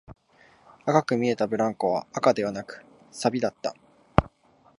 赤く見えたブランコは赤ではなく、錆だった